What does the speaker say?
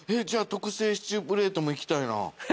じゃあ特製シチュープレートもいきたいな。